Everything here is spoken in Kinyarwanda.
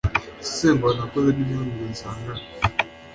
isesengura nakoze n'imyumvire nsanganwe